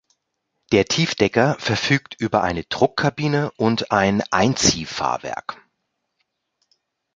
Der Tiefdecker verfügt über eine Druckkabine und ein Einziehfahrwerk.